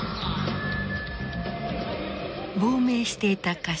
亡命していた歌手